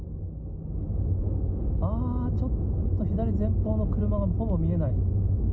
あー、ちょっと左前方の車が、ほぼ見えない。